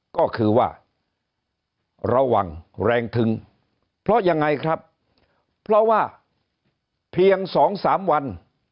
ก็คือว่าระวังแรงถึงเพราะยังไงครับเพราะว่าเพียง๒๓วัน